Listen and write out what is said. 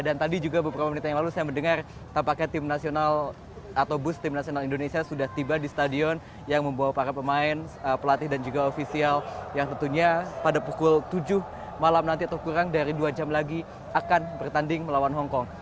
dan tadi juga beberapa menit yang lalu saya mendengar tapaknya tim nasional atau bus tim nasional indonesia sudah tiba di stadion yang membawa para pemain pelatih dan juga ofisial yang tentunya pada pukul tujuh malam nanti atau kurang dari dua jam lagi akan bertanding melawan hongkong